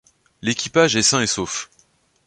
L'équipage est sain et sauf.